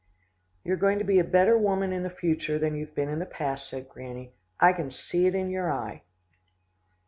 "'You're going to be a better woman in the future, than you have been in the past,' said Granny. 'I can see it in your eye.